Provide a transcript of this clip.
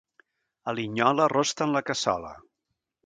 A Linyola rosten la cassola.